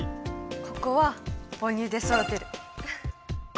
ここは「母乳で育てる」。